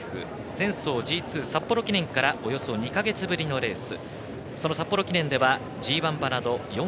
前走Ｇ２札幌記念からおよそ２か月ぶりのレース。